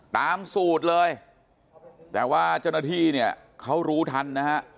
ตามสูตรเลยแต่ว่าเจ้าหน้าที่เนี่ยเขารู้ทันนะฮะ